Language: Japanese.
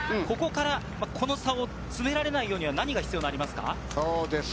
ここからこの差を詰められないように何が必要ですか？